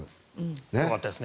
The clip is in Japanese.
すごかったですね。